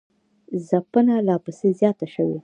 ځپنه لاپسې زیاته شوې